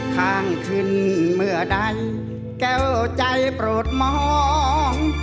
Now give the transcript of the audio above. ข้างขึ้นเมื่อใดแก้วใจโปรดมอง